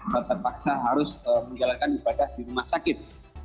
terpaksa harus menjalankan ibadah di rumah sakit